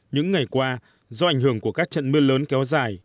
những ngày qua do ảnh hưởng của các trận mưa lớn kéo dài